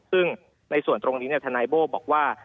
ซึ่งในส่วนตรงนี้ทนายโบ้บอกว่า